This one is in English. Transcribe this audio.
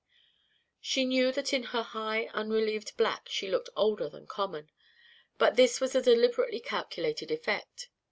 She knew that in her high unrelieved black she looked older than common, but this was a deliberately calculated effect.